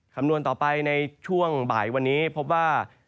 คำนวณต่อไปในช่วงบ่ายวันนี้พบว่า